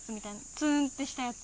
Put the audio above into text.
ツーンってしたやつ？